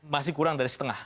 masih kurang dari setengah